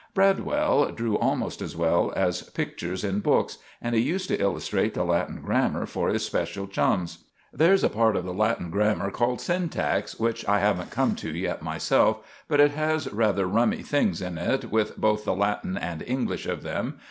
Bradwell drew almost as well as pictures in books, and he used to illustrate the Latin grammar for his special chums. There's a part of the Latin grammar called Syntax, which I haven't come to yet myself, but it has rather rummy things in it, with both the Latin and English of them.